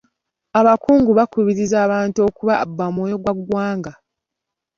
Abakungu baakubirizza abantu okuba bamwoyogwaggwanga.